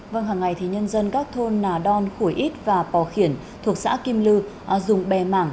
vâng hàng ngày thì nhân dân các thôn nà đon khuổi ít và pò khiển thuộc xã kim lư dùng bè mảng